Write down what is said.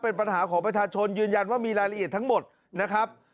เป็นปัญหาของประชาชนยืนยันว่ามีรายละเอียดทั้งหมดนะครับ